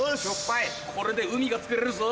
これで海がつくれるぞ。